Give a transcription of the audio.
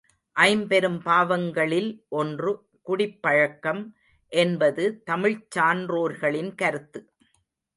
ஐம்பெரும் பாவங்களில் ஒன்று குடிப் பழக்கம் என்பது தமிழ்ச் சான்றோர்களின் கருத்து.